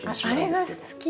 あれが好きです。